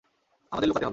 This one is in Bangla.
আমাদের লুকাতে হবে।